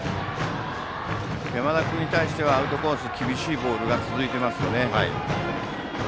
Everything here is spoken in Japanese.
山田君に対してはアウトコース、厳しいボールが続いていますよね。